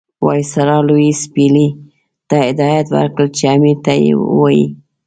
وایسرا لیویس پیلي ته هدایت ورکړ چې امیر ته ووایي.